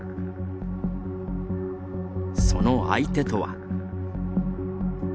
その相手とは。